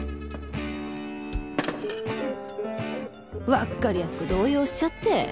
わっかりやすく動揺しちゃって